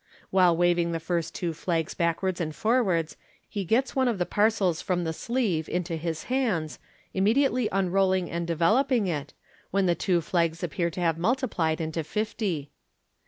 While waving the first two flags backwards and forwards, ha MODERN MAGIC 433 gets one of the parcels from the sleeve into his hands, immediately unrolling and developing it, when the two flags appear to have multi plied into fifty.